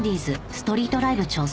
ストリートライブ挑戦